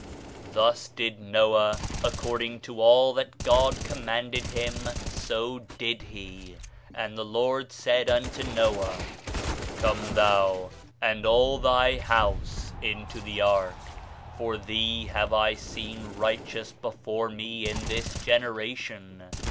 "Thus did Noah; according to all that God commanded him, so did he. "And the Lord said unto Noah, Come thou and all thy house into the ark; for thee have I seen righteous before me in this generation.